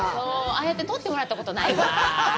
ああやって撮ってもらったことないわ。